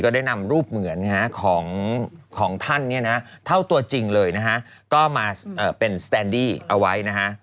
ได้นำรูปเหมือนของท่านเนี่ยนะเท่าตัวจริงเลยนะฮะก็มาเป็นสแตนดี้เอาไว้นะฮะ